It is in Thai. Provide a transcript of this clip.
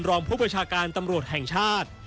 รองผู้ประชาการตำรวจแห่งชาติ